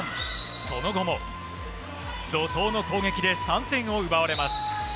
その後も怒涛の攻撃で３点を奪われます。